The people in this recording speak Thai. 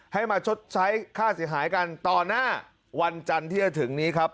ให้มาชดใช้ค่าเสียหายกันต่อหน้าวันจันทร์ที่จะถึงนี้ครับ